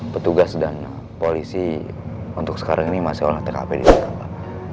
petugas dan polisi untuk sekarang ini masih olah tkp di sekitar pak